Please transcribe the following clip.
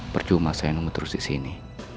perjumah saya nunggu terus disini